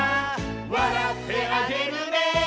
「わらってあげるね」